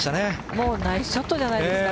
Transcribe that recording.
もうナイスショットじゃないですか。